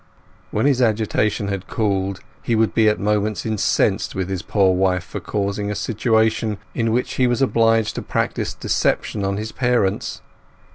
When his agitation had cooled he would be at moments incensed with his poor wife for causing a situation in which he was obliged to practise deception on his parents.